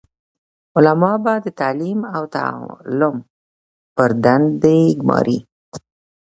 علماء به د تعليم او تعلم پر دندي ګماري،